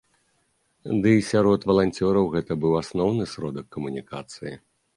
Дый сярод валанцёраў гэта быў асноўны сродак камунікацыі.